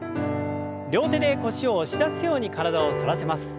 両手で腰を押し出すように体を反らせます。